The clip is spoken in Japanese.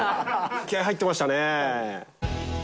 気合い入ってましたね。